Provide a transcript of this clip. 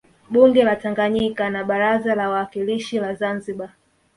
Bunge la Tanganyika na Baraza la Wawakilishi la Zanzibar